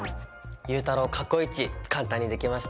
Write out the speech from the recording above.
ゆうたろう過去一簡単にできました。